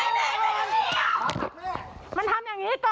เอาโว้ยยยยยยยยยมันทำอย่างงี้ให้ต่อน